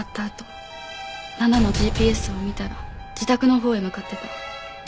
あと奈々のＧＰＳを見たら自宅のほうへ向かってた。